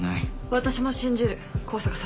私も信じる香坂さんのことを。